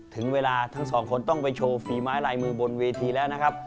ถึงเวลาทั้งสองคนต้องไปโชว์ฝีไม้ลายมือบนเวทีแล้วนะครับ